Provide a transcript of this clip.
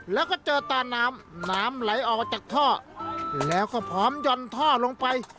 แล้วก็เจอตาน้ำน้ำไหลออกมาจากท่อแล้วก็พร้อมหย่อนท่อลงไป